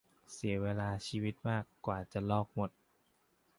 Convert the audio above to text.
เสียเวลาชีวิตมาก กว่าจะลอกหมด